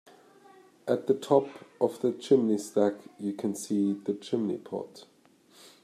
At the top of the chimney stack, you can see the chimney pot